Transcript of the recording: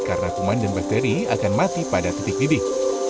karena kuman dan bakteri akan mati pada titik didih